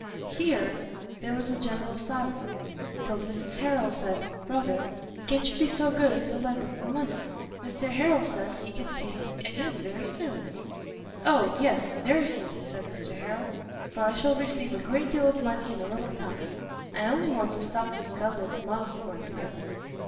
Here there was a general silence; till Mrs Harrel said "Brother, can't you be so good as to lend us the money? Mr Harrel says he can pay it again very soon." "O yes, very soon," said Mr Harrel, "for I shall receive a great deal of money in a little time; I only want to stop this fellow's mouth for the present."